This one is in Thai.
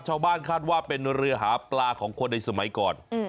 ชาวบ้านคาดว่าเป็นเรือหาปลาของคนในสมัยก่อน